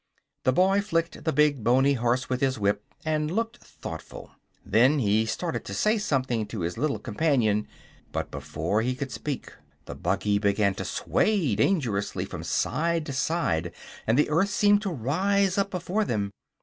The boy flicked the big, boney horse with his whip and looked thoughtful. Then he started to say something to his little companion, but before he could speak the buggy began to sway dangerously from side to side and the earth seemed to rise up before them.